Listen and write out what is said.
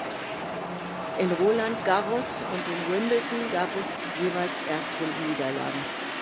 In Roland Garros und in Wimbledon gab es jeweils Erstrundenniederlagen.